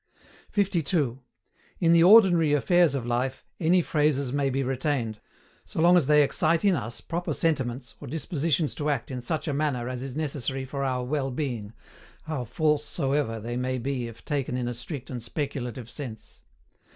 52. IN THE ORDINARY AFFAIRS OF LIFE, ANY PHRASES MAY BE RETAINED, so long as they excite in us proper sentiments, or dispositions to act in such a manner as is necessary for our WELL BEING, how false soever they may be if taken in a strict and SPECULATIVE SENSE.